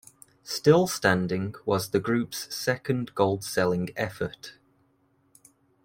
"Still Standing" was the group's second gold-selling effort.